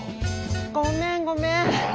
ごめんごめん！